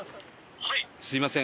すみません